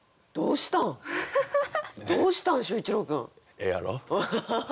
ええやろ？